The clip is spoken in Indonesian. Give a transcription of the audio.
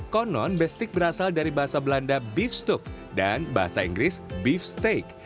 konon bestik berasal dari bahasa belanda beef stok dan bahasa inggris beef steak